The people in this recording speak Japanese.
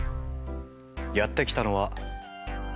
やって来たのは。